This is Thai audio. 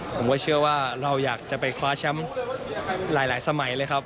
ผมก็เชื่อว่าเราอยากจะไปคว้าแชมป์หลายสมัยเลยครับ